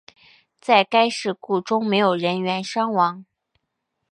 在该事故中没有人员伤亡。